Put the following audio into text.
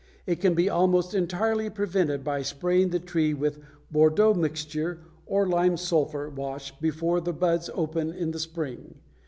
It can be almost entirely prevented by spraying the tree with Bordeaux mixture or lime sulphur wash before the buds open in the spring.